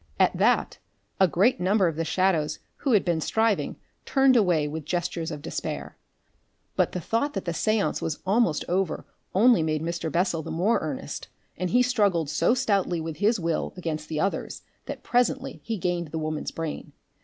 At that a great number of the shadows who had been striving turned away with gestures of despair. But the thought that the seance was almost over only made Mr. Bessel the more earnest, and he struggled so stoutly with his will against the others that presently he gained the woman's brain.